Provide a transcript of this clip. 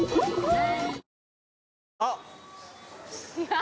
何？